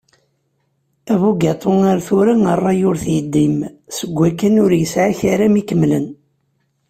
Abugaṭu ar tura ṛṛay ur t-yeddim, seg akken ur yesɛi akaram ikemlen.